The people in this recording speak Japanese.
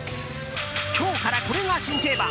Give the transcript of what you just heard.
今日からこれが新定番。